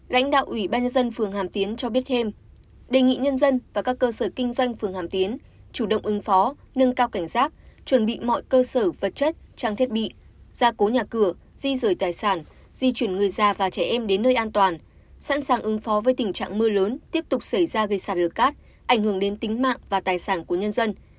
lãnh đạo ủy ban nhân dân phường hàm tiến cho biết thêm đề nghị nhân dân và các cơ sở kinh doanh phường hàm tiến chủ động ứng phó nâng cao cảnh giác chuẩn bị mọi cơ sở vật chất trang thiết bị ra cố nhà cửa di rời tài sản di chuyển người già và trẻ em đến nơi an toàn sẵn sàng ứng phó với tình trạng mưa lớn tiếp tục xảy ra gây sạt lở cát ảnh hưởng đến tính mạng và tài sản của nhân dân